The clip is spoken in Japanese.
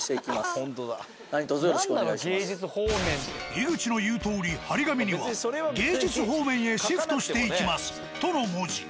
井口の言うとおり張り紙には「芸術方面へシフトしていきます」との文字。